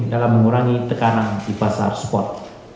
dalam mengurangi tekanan di pasar spot